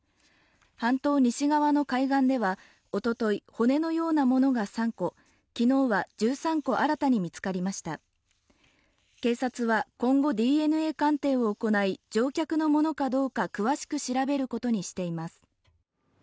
半島西側の海岸ではおととい、骨のようなものが３個昨日は１３個、新たに見つかりました警察は今後、ＤＮＡ鑑定を行い、乗客のものかどうか詳しく調べることにしています。